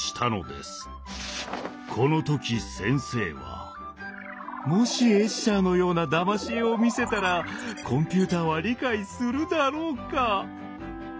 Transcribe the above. この時先生は「もしエッシャーのようなだまし絵を見せたらコンピューターは理解するだろうか？」と思いつきます。